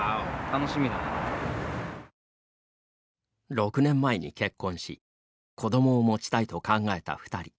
６年前に結婚し子どもを持ちたいと考えた２人。